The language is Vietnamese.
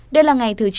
đây là ngày thứ chín